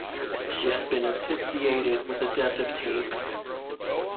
She had been asphyxiated with adhesive tape.